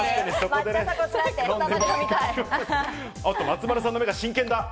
松丸さんの目が真剣だ。